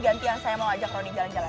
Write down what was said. ganti yang saya mau ajak roni jalan jalan